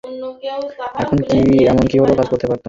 এখন হলে কি এমন কাজ করতে পারতুম।